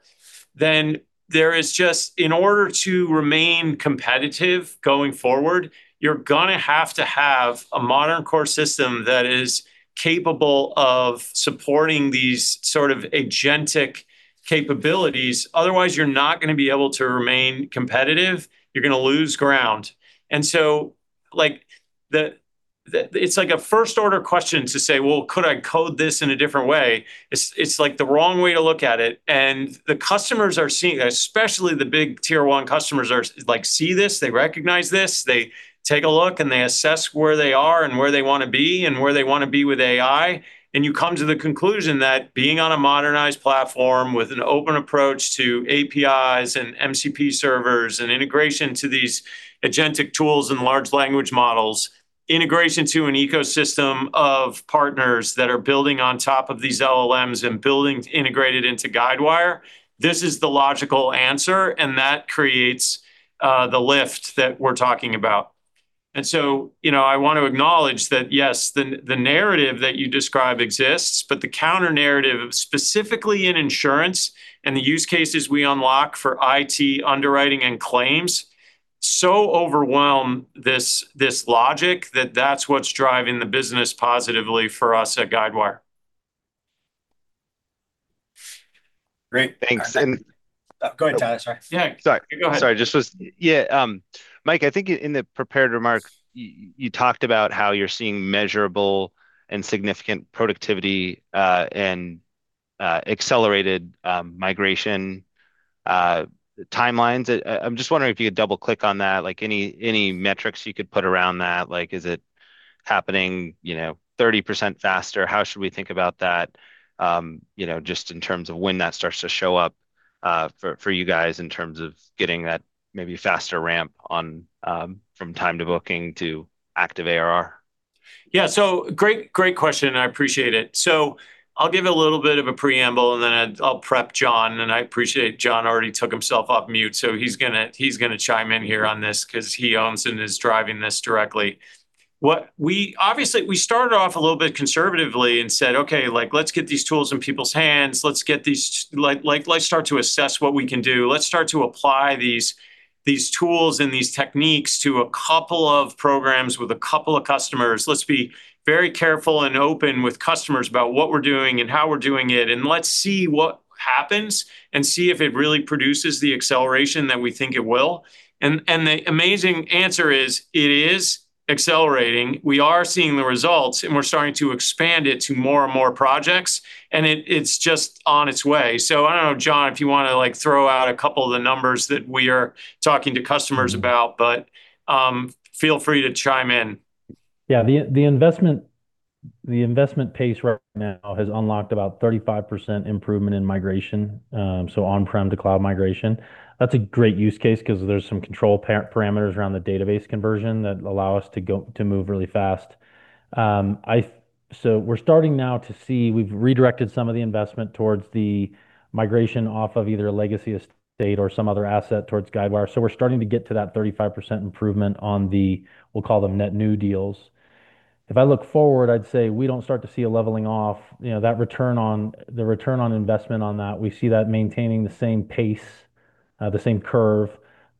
"then in order to remain competitive going forward, you're going to have to have a modern core system that is capable of supporting these sort of agentic capabilities." Otherwise, you're not going to be able to remain competitive. You're going to lose ground. It's like a first-order question to say, "Well, could I code this in a different way?" It's the wrong way to look at it. The customers are seeing, especially the big Tier 1 customers see this, they recognize this, they take a look, and they assess where they are and where they want to be and where they want to be with AI. You come to the conclusion that being on a modernized platform with an open approach to APIs and MCP servers and integration to these agentic tools and large language models, integration to an ecosystem of partners that are building on top of these LLMs and building integrated into Guidewire, this is the logical answer, and that creates the lift that we're talking about. I want to acknowledge that, yes, the narrative that you describe exists, but the counter-narrative, specifically in insurance and the use cases we unlock for IT underwriting and claims so overwhelm this logic that that's what's driving the business positively for us at Guidewire. Great. Thanks. Go ahead, Tyler. Sorry. Yeah. Sorry. Go ahead. Sorry. Mike, I think in the prepared remarks, you talked about how you're seeing measurable and significant productivity, and accelerated migration timelines. I'm just wondering if you could double-click on that. Any metrics you could put around that? Is it happening 30% faster? How should we think about that just in terms of when that starts to show up for you guys in terms of getting that maybe faster ramp from time to booking to active ARR? Yeah. Great question. I appreciate it. I'll give a little bit of a preamble, and then I'll prep John, and I appreciate John already took himself off mute, so he's going to chime in here on this because he owns and is driving this directly. Obviously, we started off a little bit conservatively and said, "Okay, let's get these tools in people's hands. Let's start to assess what we can do. Let's start to apply these tools and these techniques to a couple of programs with a couple of customers. Let's be very careful and open with customers about what we're doing and how we're doing it, and let's see what happens and see if it really produces the acceleration that we think it will." The amazing answer is it is accelerating. We are seeing the results, and we're starting to expand it to more and more projects, and it's just on its way. I don't know, John, if you want to throw out a couple of the numbers that we are talking to customers about. Feel free to chime in. Yeah. The investment pace right now has unlocked about 35% improvement in migration, so on-prem to cloud migration. That's a great use case because there's some control parameters around the database conversion that allow us to move really fast. We're starting now to see, we've redirected some of the investment towards the migration off of either a legacy estate or some other asset towards Guidewire. We're starting to get to that 35% improvement on the, we'll call them net new deals. If I look forward, I'd say we don't start to see a leveling off, the return on investment on that. We see that maintaining the same pace, the same curve,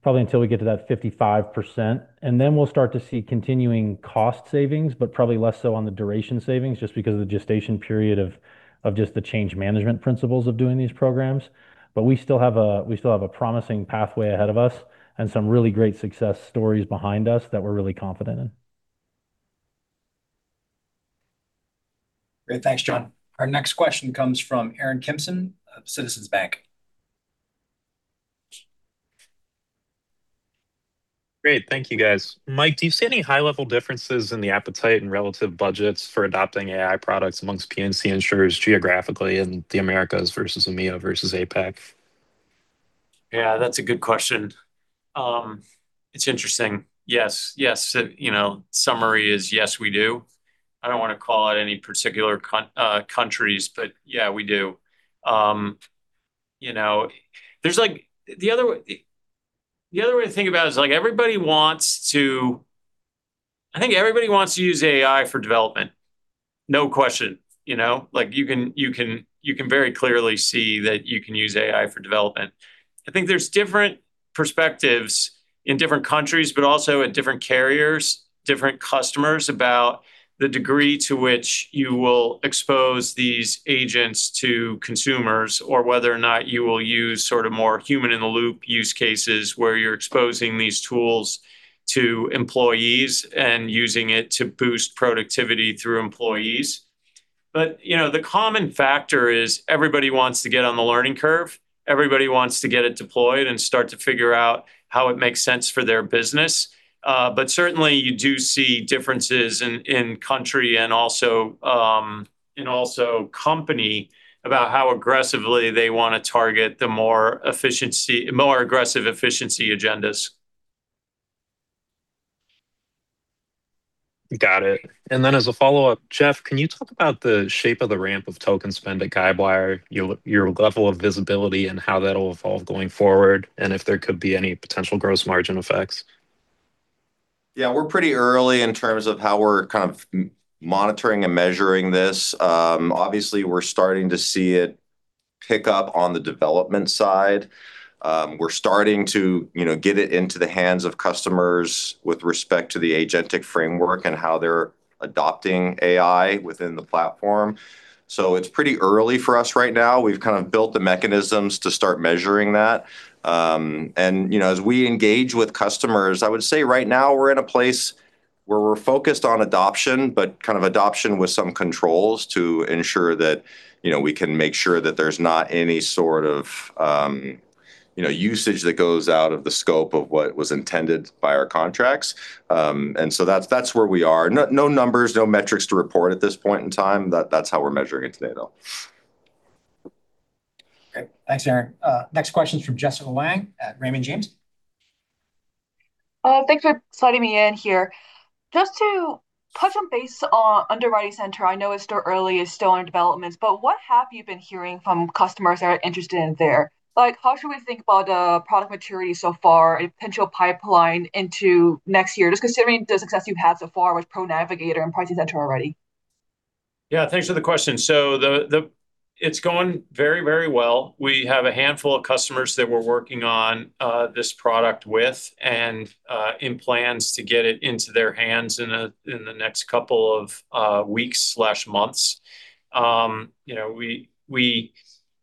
probably until we get to that 55%. We'll start to see continuing cost savings, but probably less so on the duration savings, just because of the gestation period of just the change management principles of doing these programs. We still have a promising pathway ahead of us and some really great success stories behind us that we're really confident in. Great. Thanks, John. Our next question comes from Aaron Kimson of Citizens Bank. Great. Thank you, guys. Mike, do you see any high-level differences in the appetite and relative budgets for adopting AI products amongst P&C insurers geographically in the Americas versus EMEA versus APAC? That's a good question. It's interesting. Yes. Summary is, yes, we do. I don't want to call out any particular countries, but yeah, we do. The other way to think about it is I think everybody wants to use AI for development, no question. You can very clearly see that you can use AI for development. I think there's different perspectives in different countries, but also at different carriers, different customers, about the degree to which you will expose these agents to consumers, or whether or not you will use sort of more human-in-the-loop use cases where you're exposing these tools to employees and using it to boost productivity through employees. The common factor is everybody wants to get on the learning curve. Everybody wants to get it deployed and start to figure out how it makes sense for their business. Certainly you do see differences in country and also in company about how aggressively they want to target the more aggressive efficiency agendas. Got it. Then as a follow-up, Jeff, can you talk about the shape of the ramp of token spend at Guidewire, your level of visibility and how that'll evolve going forward, and if there could be any potential gross margin effects? Yeah. We're pretty early in terms of how we're kind of monitoring and measuring this. Obviously, we're starting to see it pick up on the development side. We're starting to get it into the hands of customers with respect to the agentic framework and how they're adopting AI within the platform. It's pretty early for us right now. We've kind of built the mechanisms to start measuring that. As we engage with customers, I would say right now we're at a place where we're focused on adoption, but kind of adoption with some controls to ensure that we can make sure that there's not any sort of usage that goes out of the scope of what was intended by our contracts. That's where we are. No numbers, no metrics to report at this point in time. That's how we're measuring it today, though. Okay. Thanks, Aaron. Next question is from Jessica Wang at Raymond James. Thanks for sliding me in here. Just to touch on base on UnderwritingCenter, I know it's still early, it's still under developments, but what have you been hearing from customers that are interested in there? Like how should we think about product maturity so far and potential pipeline into next year, just considering the success you've had so far with ProNavigator and PricingCenter already? Yeah, thanks for the question. It's going very well. We have a handful of customers that we're working on this product with, and in plans to get it into their hands in the next couple of weeks/months.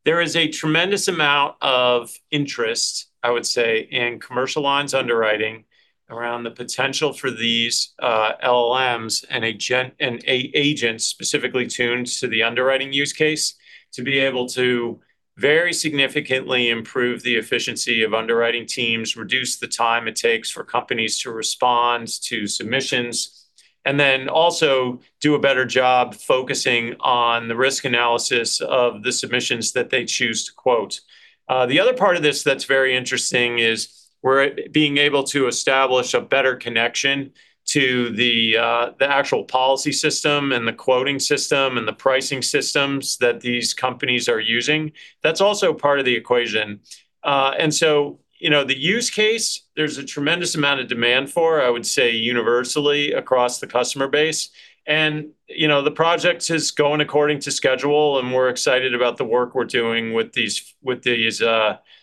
There is a tremendous amount of interest, I would say, in commercial lines underwriting around the potential for these LLMs and agents specifically tuned to the underwriting use case to be able to very significantly improve the efficiency of underwriting teams, reduce the time it takes for companies to respond to submissions, and then also do a better job focusing on the risk analysis of the submissions that they choose to quote. The other part of this that's very interesting is we're being able to establish a better connection to the actual policy system and the quoting system and the pricing systems that these companies are using. That's also part of the equation. The use case, there's a tremendous amount of demand for, I would say, universally across the customer base. The project is going according to schedule, and we're excited about the work we're doing with these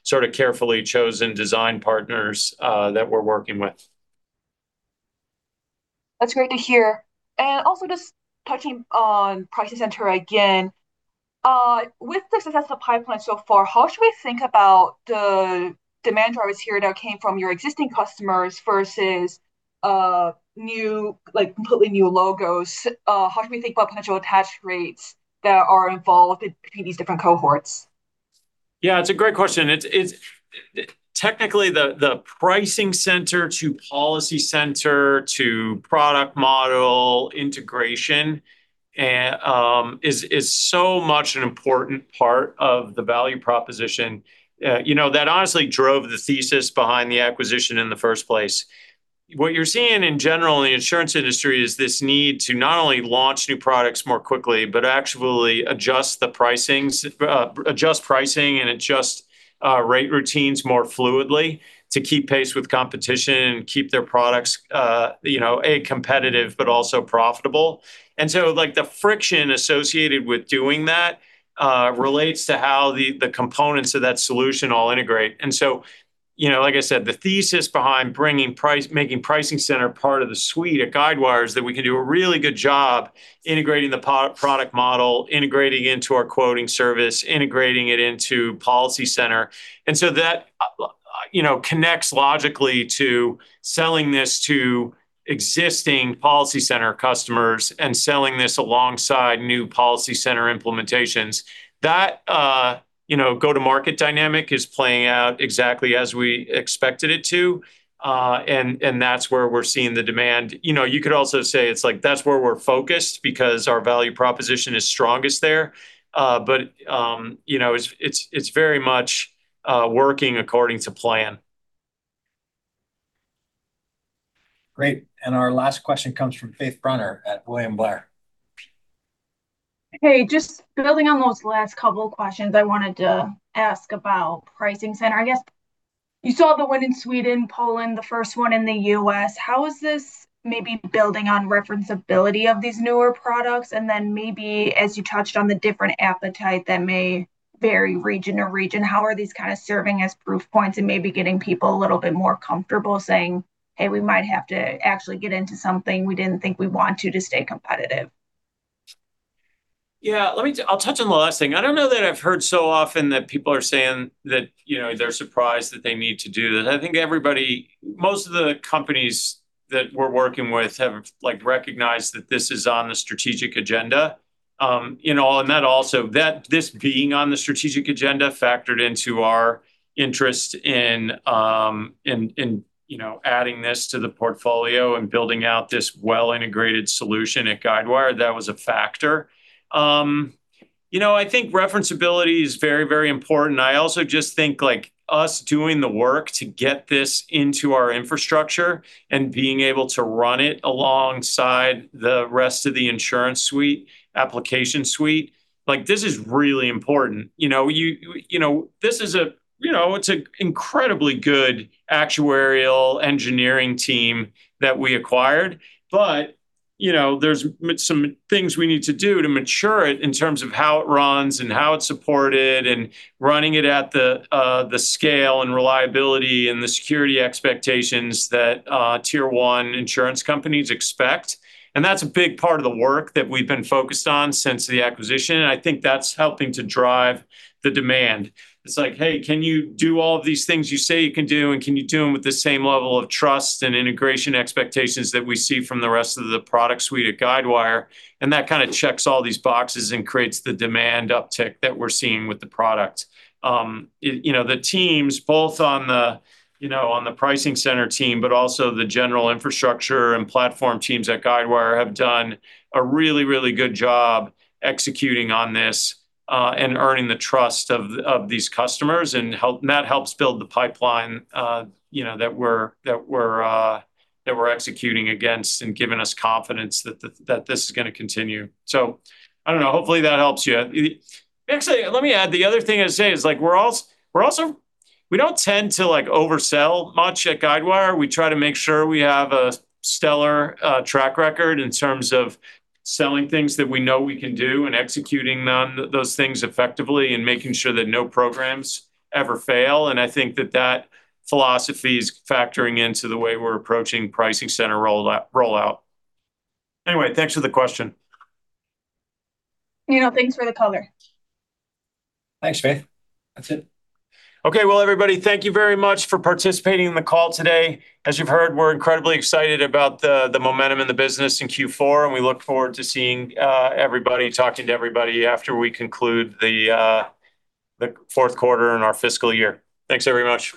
sort of carefully chosen design partners that we're working with. That's great to hear. Also just touching on PricingCenter again. With the success of the pipeline so far, how should we think about the demand drivers here that came from your existing customers versus completely new logos? How should we think about potential attach rates that are involved between these different cohorts? Yeah. It's a great question. Technically, the PricingCenter to PolicyCenter to product model integration is so much an important part of the value proposition. That honestly drove the thesis behind the acquisition in the first place. What you're seeing in general in the insurance industry is this need to not only launch new products more quickly, but actually adjust pricing and adjust rate routines more fluidly to keep pace with competition and keep their products, A, competitive, but also profitable. The friction associated with doing that relates to how the components of that solution all integrate. Like I said, the thesis behind making PricingCenter part of the suite at Guidewire is that we can do a really good job integrating the product model, integrating into our quoting service, integrating it into PolicyCenter. That connects logically to selling this to existing PolicyCenter customers and selling this alongside new PolicyCenter implementations. That go-to-market dynamic is playing out exactly as we expected it to. That's where we're seeing the demand. You could also say that's where we're focused because our value proposition is strongest there. It's very much working according to plan. Great. Our last question comes from Faith Brunner at William Blair. Hey, just building on those last couple of questions, I wanted to ask about PricingCenter. I guess you saw the one in Sweden, Poland, the first one in the U.S. How is this maybe building on referenceability of these newer products? Maybe as you touched on the different appetite that may vary region to region, how are these kind of serving as proof points and maybe getting people a little bit more comfortable saying, "Hey, we might have to actually get into something we didn't think we'd want to stay competitive"? Yeah. I'll touch on the last thing. I don't know that I've heard so often that people are saying that they're surprised that they need to do this. I think most of the companies that we're working with have recognized that this is on the strategic agenda. That also, this being on the strategic agenda factored into our interest in adding this to the portfolio and building out this well-integrated solution at Guidewire. That was a factor. I think reference ability is very important. I also just think us doing the work to get this into our infrastructure and being able to run it alongside the rest of the InsuranceSuite, application suite, this is really important. It's an incredibly good actuarial engineering team that we acquired. There's some things we need to do to mature it in terms of how it runs and how it's supported and running it at the scale and reliability and the security expectations that Tier 1 insurance companies expect. That's a big part of the work that we've been focused on since the acquisition, and I think that's helping to drive the demand. It's like, "Hey, can you do all of these things you say you can do, and can you do them with the same level of trust and integration expectations that we see from the rest of the product suite at Guidewire?" That kind of checks all these boxes and creates the demand uptick that we're seeing with the product. The teams, both on the PricingCenter team, but also the general infrastructure and platform teams at Guidewire have done a really good job executing on this, and earning the trust of these customers, and that helps build the pipeline that we're executing against and giving us confidence that this is going to continue. I don't know. Hopefully, that helps you. Actually, let me add, the other thing I'd say is we don't tend to oversell much at Guidewire. We try to make sure we have a stellar track record in terms of selling things that we know we can do and executing on those things effectively and making sure that no programs ever fail. I think that philosophy is factoring into the way we're approaching PricingCenter rollout. Anyway, thanks for the question. Yeah. Thanks for the color. Thanks, Faith. That's it. Okay. Well, everybody, thank you very much for participating in the call today. As you've heard, we're incredibly excited about the momentum in the business in Q4, and we look forward to seeing everybody, talking to everybody after we conclude the fourth quarter in our fiscal year. Thanks very much.